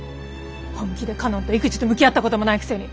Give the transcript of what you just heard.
本気で佳音と育児と向き合ったこともないくせに。